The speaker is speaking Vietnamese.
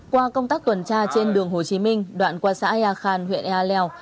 qua công tác tuần tra trên đường hồ chí minh đoạn qua xã ea khàn huyện ea lèo